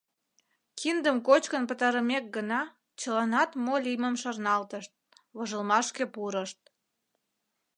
Киндым кочкын пытарымек гына чыланат мо лиймым шарналтышт, вожылмашке пурышт.